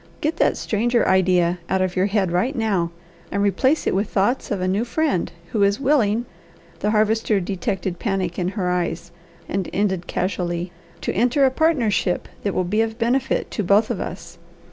Get that stranger idea out of your head right now, and replace it with thoughts of a new friend, who is willing" the Harvester detected panic in her eyes and ended casually "to enter a partnership that will be of benefit to both of us.